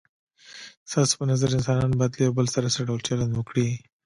ستاسو په نظر انسانان باید له یو بل سره څه ډول چلند وکړي؟